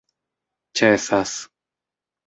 ĉesas